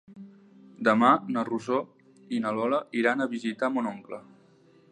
Demà na Rosó i na Lola iran a visitar mon oncle.